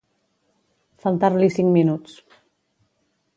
Faltar-li cinc minuts.